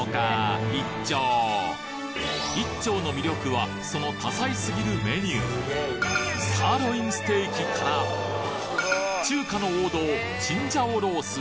いっちょうの魅力はその多彩すぎるメニューサーロインステーキから中華の王道青椒肉絲。